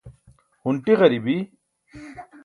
hunṭi ġaribi